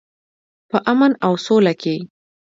په امن او سوله کې.